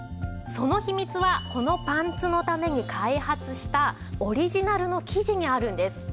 その秘密はこのパンツのために開発したオリジナルの生地にあるんです。